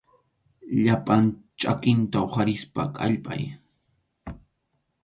Llapan chakinta huqarispa kallpay.